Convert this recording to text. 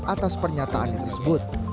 atas pernyataan tersebut